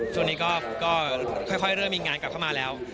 ช่วงนี้ก็ค่อยเริ่มมีงานกลับเข้ามาแล้ว